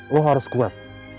lo harus kuat